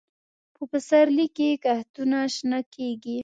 په پسرلي کې کښتونه شنه کېږي.